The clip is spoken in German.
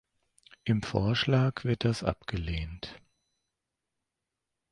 Im Vorschlag wird das abgelehnt.